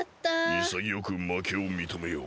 いさぎよくまけをみとめよう。